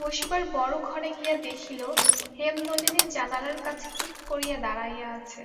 বসিবার বড়ো ঘরে গিয়া দেখিল হেমনলিনী জানালার কাছে চুপ করিয়া দাঁড়াইয়া আছে।